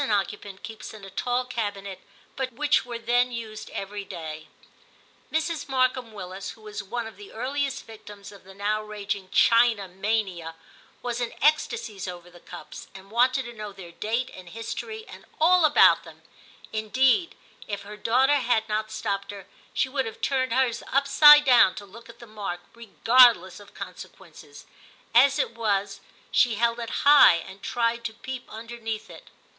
occupant keeps in a tall cabinet, but which were then used every day. Mrs. Markham Willis, who was one of the earliest victims of the now raging china mania, was in ecstasies over the cups, and wanted to know their date and history and all about them ; indeed, if her daughter had not stopped her, she would have turned hers upside down to look at the mark, regardless of consequences ; as it was, she held it high and tried to peep underneath it.